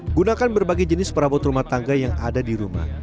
gunakan berbagai jenis perabot rumah tangga yang ada di rumah